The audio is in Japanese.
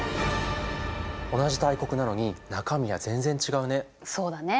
同じ大国なのに中身は全然違うね。